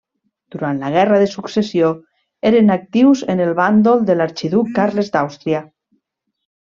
Durant la Guerra de Successió, eren actius en el bàndol de l'arxiduc Carles d'Àustria.